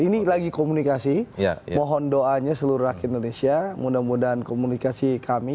ini lagi komunikasi mohon doanya seluruh rakyat indonesia mudah mudahan komunikasi kami